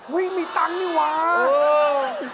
อุ๊ยมีตังค์นี่เหรอโอ้โฮ